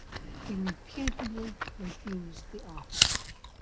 He reputedly refused the offer.